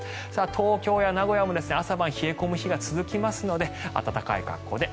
東京や名古屋も朝晩冷え込む日が続きますので暖かい格好で。